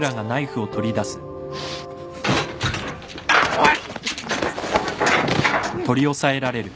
おい。